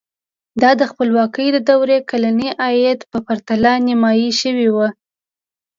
دا د خپلواکۍ د دورې کلني عاید په پرتله نیمايي شوی و.